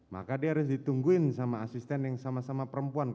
maka dia harus ditungguin sama asisten yang sama sama perempuan